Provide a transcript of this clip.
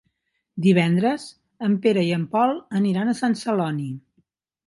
Divendres en Pere i en Pol aniran a Sant Celoni.